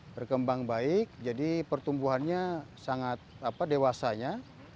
berkembang baik jadi pertumbuhannya sangat dewasanya